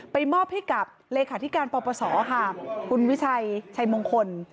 มอบให้กับเลขาธิการปปศค่ะคุณวิชัยชัยมงคล